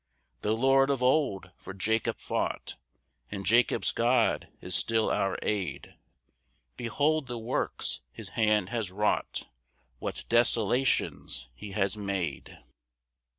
2 The Lord of old for Jacob fought, And Jacob's God is still our aid; Behold the works his hand has wrought, What desolations he has made!